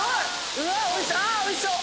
うわおいしそう。